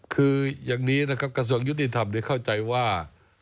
คืออย่างนี้กระทรวงยุติธรรมเข้าใจว่า